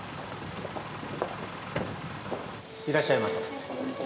いらっしゃいませ。